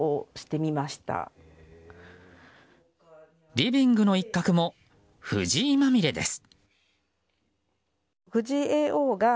リビングの一角も藤井まみれです。